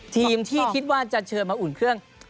ทีมที่คิดว่าจะเชิญมาอุ่นเครื่อง